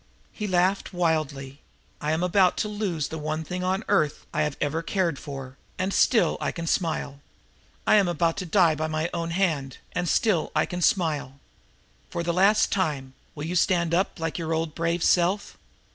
He laughed wildly. "I am about to lose the one thing on earth I have ever cared for, and still I can smile. I am about to die by my own hand, and still I can smile. For the last time, will you stand up like your old brave self?"